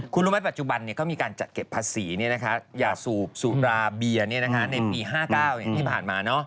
คุณรู้ไหมปัจจุบันเขามีการจัดเก็บภาษียาสูบสูบราเบียในปี๕๙ที่ผ่านมา